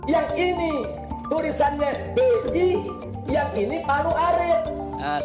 yang ini tulisannya bi yang ini palu arit